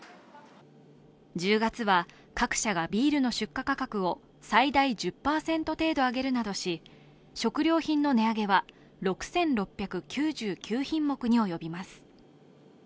１０月は各社がビールの出荷価格を最大１０％程度上げるなどし、食料品の値上げは６６９９品目におよびます。